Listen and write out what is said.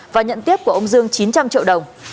và nhận tiếp của ông dương chín trăm linh triệu đồng